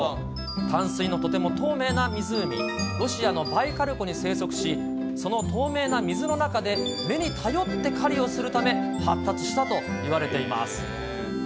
淡水のとても透明な湖、ロシアのバイカル湖に生息し、その透明な水の中で目に頼って狩りをするため、発達したと言われています。